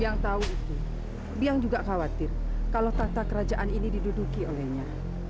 yang tahu itu yang juga khawatir kalau tata kerajaan ini diduduki olehnya